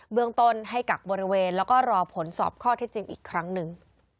เมืองต้นให้กักบริเวณแล้วก็รอผลสอบข้อเท็จจริงอีกครั้งหนึ่ง